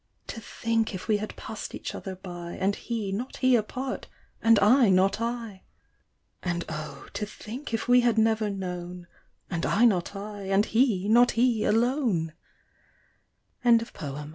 To think if we had passed each other by ; And he not he apart, and I not 1 1 And oh to think if we had never known ; And I not I and he not he alone 1 142 BfARJORY.